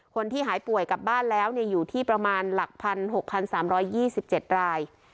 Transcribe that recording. คนที่หายป่วยกลับบ้านแล้วเนี่ยอยู่ที่ประมาณหลักพันหกพันสามร้อยยี่สิบเจ็ดราย